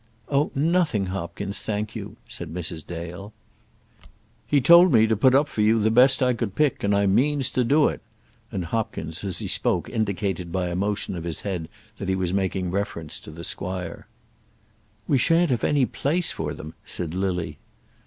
"Oh, nothing, Hopkins, thank you," said Mrs. Dale. "He told me to put up for you the best I could pick, and I means to do it;" and Hopkins, as he spoke, indicated by a motion of his head that he was making reference to the squire. "We shan't have any place for them," said Lily.